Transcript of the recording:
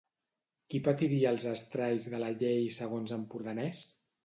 Qui patiria els estralls de la llei segons Ampurdanès?